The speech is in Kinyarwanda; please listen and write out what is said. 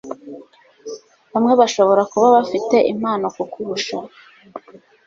Bamwe bashobora kuba bafite impano kukurusha,